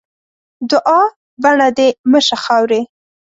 دوعا؛ بڼه دې مه شه خاوري.